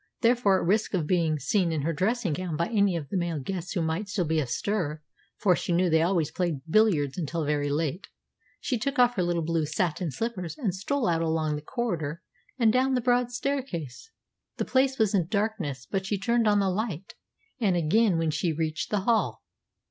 Therefore, at risk of being seen in her dressing gown by any of the male guests who might still be astir for she knew they always played billiards until very late she took off her little blue satin slippers and stole out along the corridor and down the broad staircase. The place was in darkness; but she turned on the light, and again when she reached the hall.